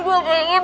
aku masih bingin